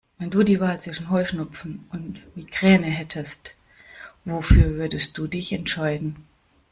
Wenn du die Wahl zwischen Heuschnupfen und Migräne hättest, wofür würdest du dich entscheiden?